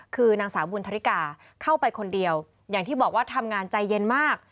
คือนางสาวบุญธริกาเข้าไปคนเดียวอย่างที่บอกว่าทำงานใจเย็นมาก